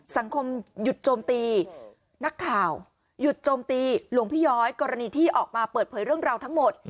สังคมหยุดโจมตีนักข่าวหยุดโจมตีหลวงพี่ย้อยกรณีที่ออกมาเปิดเผยเรื่องราวทั้งหมด